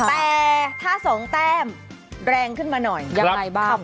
แต่ถ้า๒แต้มแรงขึ้นมาหน่อยยังไงบ้าง